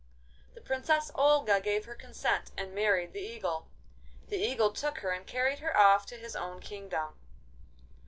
The Princess Olga gave her consent and married the Eagle. The Eagle took her and carried her off to his own kingdom.